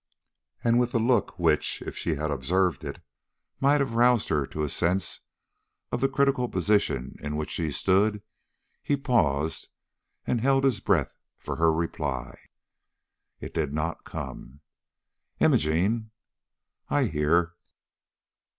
And with a look which, if she had observed it, might have roused her to a sense of the critical position in which she stood, he paused and held his breath for her reply. It did not come. "Imogene?" "I hear."